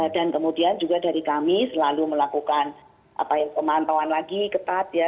dan kemudian juga dari kami selalu melakukan apa yang pemantauan lagi ketat ya